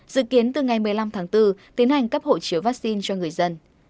dự kiến từ ngày một mươi năm tháng bốn tiến hành cấp hộ chiếu vaccine cho người dân